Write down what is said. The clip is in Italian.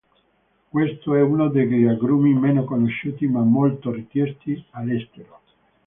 Questo è uno degli agrumi meno conosciuti ma molto richiesti all'estero.